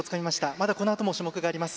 まだ、このあとも種目があります。